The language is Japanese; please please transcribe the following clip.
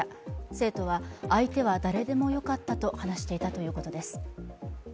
生徒は相手は誰でもよかったと話していたということです。